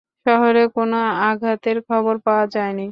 শহরে কোনও আঘাতের খবর পাওয়া যায়নি।